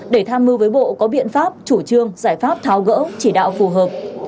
để tham mưu với bộ có biện pháp chủ trương giải pháp tháo gỡ chỉ đạo phù hợp